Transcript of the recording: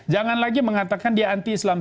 jangan lagi mengatakan dia anti islam